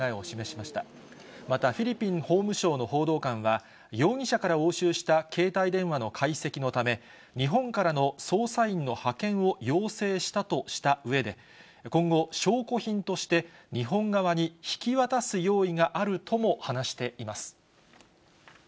また、フィリピン法務省の報道官は、容疑者から押収した携帯電話の解析のため、日本からの捜査員の派遣を要請したとしたうえで、今後、証拠品として日本側に引き渡す用意があるとも話しています。